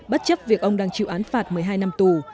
bất chấp việc ông đang chịu án phạt một mươi hai năm tù